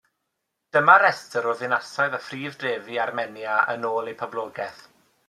Dyma restr o ddinasoedd a phrif drefi Armenia yn ôl eu poblogaeth.